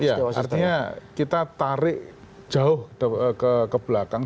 iya artinya kita tarik jauh ke belakang